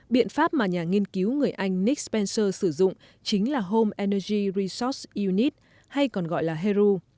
biện pháp mà nhà nghiên cứu người anh nick spencer sử dụng chính là home energy resource unit hay còn gọi là heru